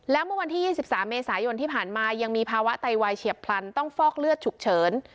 และเมื่อวันที่๒๓เมษายนที่ผ่านมายังมีภาวะไตวายเฉียบพลันต้องฟอกเลือดฉุกเฉิน